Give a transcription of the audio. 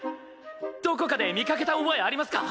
どこかで見かけた覚えありますか？